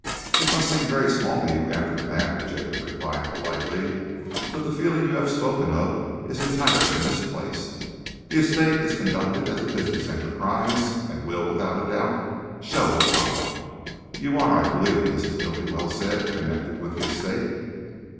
"It must seem very small to you after the Manor," Jacob replied politely, "but the feeling you have spoken of is entirely misplaced. The Estate is conducted as a business enterprise, and will, without doubt, show a profit." "You are, I believe," Mrs. Bultiwell said, "connected with the Estate?"